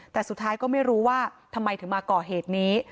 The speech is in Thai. แต่สุดท้ายก็ไม่รู้ว่าทำไมถึงมาก่อเหตุนี้